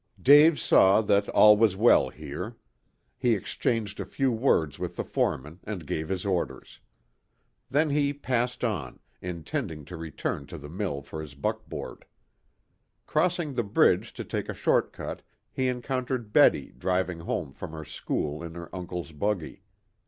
Dave saw that all was well here. He exchanged a few words with the foreman, and gave his orders. Then he passed on, intending to return to the mill for his buckboard. Crossing the bridge to take a short cut, he encountered Betty driving home from her school in her uncle's buggy.